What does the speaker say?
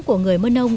của người mân âu